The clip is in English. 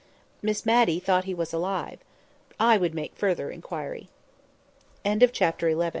Miss Matty thought he was alive. I would make further inquiry. CHAPTER XII.